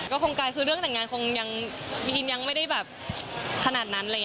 คงกลายคือเรื่องแต่งงานคงยังไม่ได้แบบขนาดนั้น